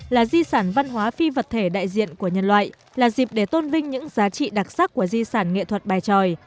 là di sản văn hóa phi vật thể đại diện của nhân loại là dịp để tôn vinh những giá trị đặc sắc của di sản nghệ thuật bài tròi